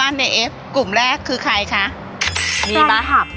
พี่อ๋อมไม่ได้ครับ